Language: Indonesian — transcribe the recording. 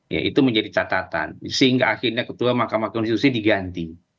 ya itu menjadi catatan sehingga akhirnya ketua mahkamah konstitusi diganti